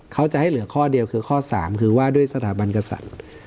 เขาจะให้เหลือข้อเดียวคือข้อ๓คือว่าด้วยสถาบันกษัตริย์